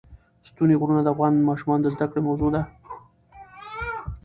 ستوني غرونه د افغان ماشومانو د زده کړې موضوع ده.